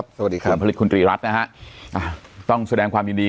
ภูมิคุณผู้หญิงฤทธิ์น่ะต่างแสดงความยินดี